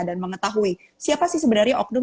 dan mengetahui siapa sih sebenarnya okdum